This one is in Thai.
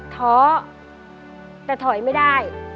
ท้อแต่ถอยไม่ได้